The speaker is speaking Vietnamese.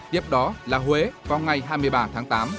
tiếp đó là huế vào ngày hai mươi ba tháng tám